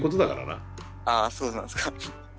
ああそうなんすか。